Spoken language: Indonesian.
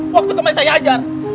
waktu kemarin saya ajar